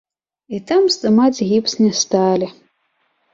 І там здымаць гіпс не сталі.